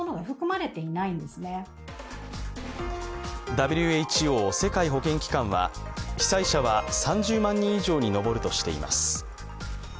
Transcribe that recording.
ＷＨＯ＝世界保健機関は、被災者は３０万人以上にのぼるとしています。